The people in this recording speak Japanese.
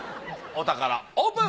お宝オープン！